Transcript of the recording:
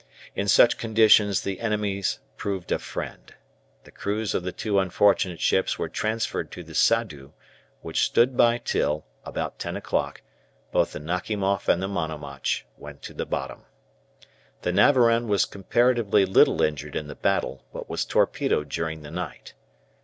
In such conditions the enemy proved a friend. The crews of the two unfortunate ships were transferred to the "Sadu," which stood by till, about ten o'clock, both the "Nakhimoff" and the "Monomach" went to the bottom. The "Navarin" was comparatively little injured in the battle, but was torpedoed during the night.